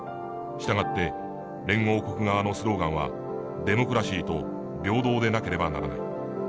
従って連合国側のスローガンはデモクラシーと平等でなければならない。